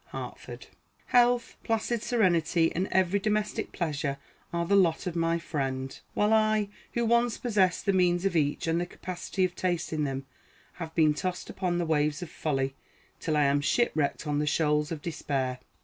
HARTFORD. Health, placid serenity, and every domestic pleasure are the lot of my friend; while I, who once possessed the means of each, and the capacity of tasting them, have been tossed upon the waves of folly, till I am shipwrecked on the shoals of despair.